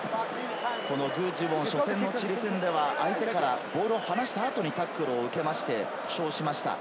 具智元、初戦のチリ戦では相手からボールを離した後にタックルを受けて負傷しました。